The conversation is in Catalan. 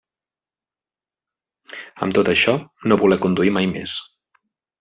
Amb tot això, no voler conduir mai més.